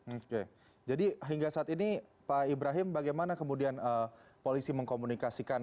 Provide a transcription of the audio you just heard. oke jadi hingga saat ini pak ibrahim bagaimana kemudian polisi mengkomunikasikan